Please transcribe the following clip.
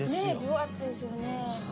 分厚いですよね。